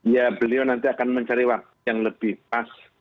ya beliau nanti akan mencari waktu yang lebih pas